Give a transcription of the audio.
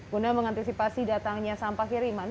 guna mengantisipasi datangnya sampah kiriman